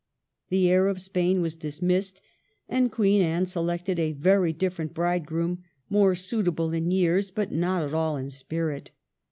The heir of Spain was dismissed, and Queen Anne selected a very different bridegroom, more suitable in years, but not at all in spirit.